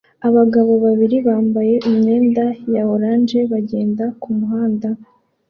Abagabo babiri bambaye imyenda ya orange bagenda kumuhanda